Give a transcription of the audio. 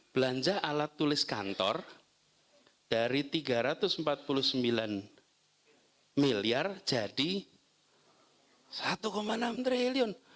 belanja alat tulis kantor dari rp tiga ratus empat puluh sembilan miliar jadi rp satu enam triliun